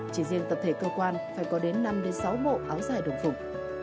chỉ riêng tập thể cơ quan phải có đến năm sáu bộ áo dài đồng phục